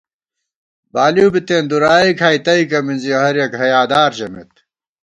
بالِؤ بِتېن دُرائے کھائی تئیکہ مِنزِی ہر یَک حیادار ژَمېت